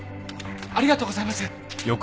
ありがとうございます！